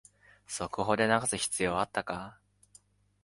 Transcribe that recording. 速報で流す必要あったか